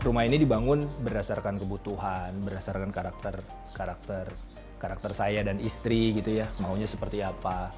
rumah ini dibangun berdasarkan kebutuhan berdasarkan karakter saya dan istri gitu ya maunya seperti apa